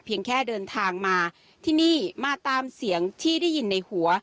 แค่เดินทางมาที่นี่มาตามเสียงที่ได้ยินในหัว